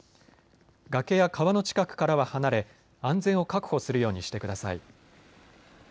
崖や川の近くからは離れ、安全を確保するようにしてください。